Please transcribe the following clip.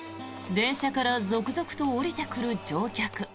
電車から続々と降りてくる乗客。